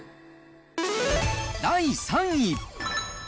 第３位。